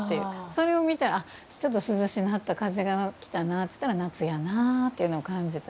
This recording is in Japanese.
それを見てあっちょっと涼しなった風が来たなといったら夏やなぁというのを感じたり。